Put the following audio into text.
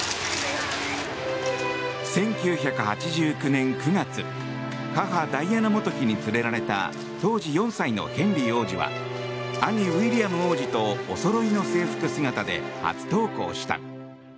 １９８９年９月母ダイアナ元妃に連れられた当時４歳のヘンリー王子は兄ウィリアム王子とおそろいの制服姿で初登校した。